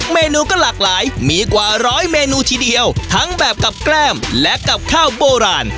เมนูก็หลากหลายมีกว่าร้อยเมนูทีเดียวทั้งแบบกับแกล้มและกับข้าวโบราณ